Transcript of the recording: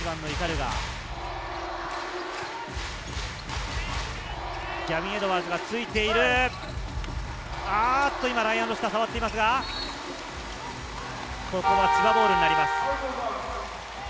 ライアン・ロシターが触っていますが、ここは千葉ボールになります。